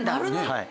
はい。